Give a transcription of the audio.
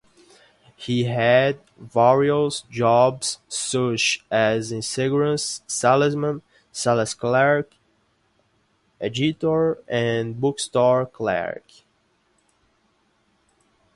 He had various jobs, such as insurance salesman, sales clerk, editor and bookstore clerk.